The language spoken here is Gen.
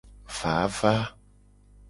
Vava.